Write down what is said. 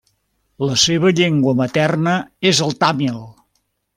La seva llengua materna és el tàmil.